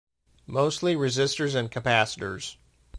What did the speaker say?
Mostly resistors and capacitors.